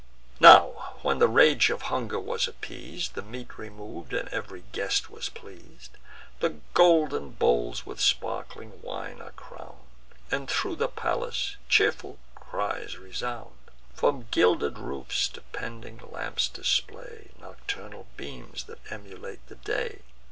Now, when the rage of hunger was appeas'd, The meat remov'd, and ev'ry guest was pleas'd, The golden bowls with sparkling wine are crown'd, And thro' the palace cheerful cries resound. From gilded roofs depending lamps display Nocturnal beams, that emulate the day.